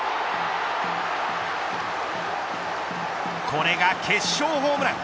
これが決勝ホームラン。